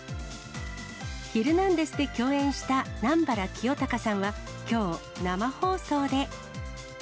ヒルナンデス！で共演した南原清隆さんは、きょう、生放送で。